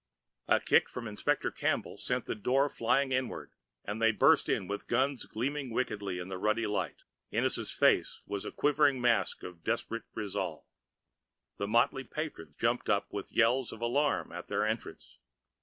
A kick from Inspector Campbell sent the door flying inward, and they burst in with guns gleaming wickedly in the ruddy light. Ennis' face was a quivering mask of desperate resolve. The motley patrons jumped up with yells of alarm at their entrance.